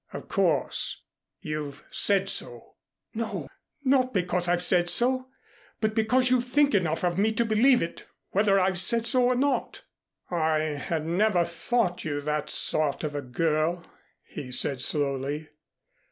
"Of course, you've said so " "No not because I've said so, but because you think enough of me to believe it whether I've said so or not." "I had never thought you that sort of a girl," he said slowly.